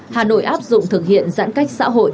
hà nội áp dụng thực hiện giãn cách xã hội